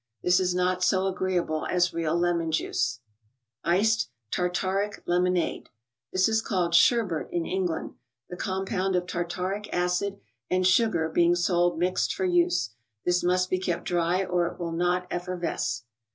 This is not so agreeable as real lemon juice. 70 THE BOOK OF ICES . 3)ce& (Cartaric) LcmonaDc. ™ s j; s ^ in England, the compound of tartaric acid and sugar be¬ ing sold mixed for use. This must be kept dry or it will not effervesce.